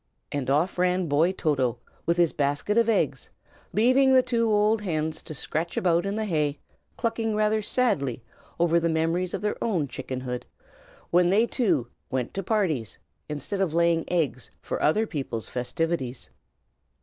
and off ran boy Toto, with his basket of eggs, leaving the two old hens to scratch about in the hay, clucking rather sadly over the memories of their own chickenhood, when they, too, went to parties, instead of laying eggs for other people's festivities.